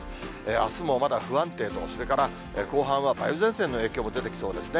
あすもまだ不安定と、それから後半は梅雨前線の影響も出てきそうですね。